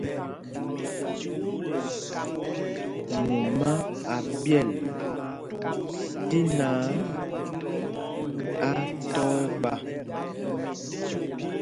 Mumá a ɓyɛl tí náǎ, á á tɔ ɛɓá.